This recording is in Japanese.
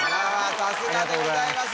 さすがでございます